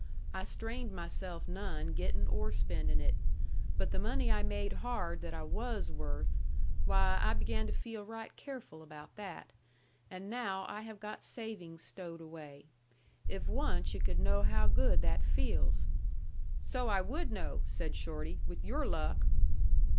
I strained myself none gettin' or spendin' it. But the money I made hard that I WAS worth, why I began to feel right careful about that. And now I have got savings stowed away. If once yu' could know how good that feels " "So I would know," said Shorty, "with your luck."